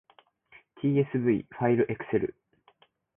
tsv ファイルエクセル